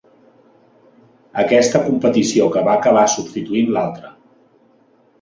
Aquesta competició que va acabar substituint l'altra.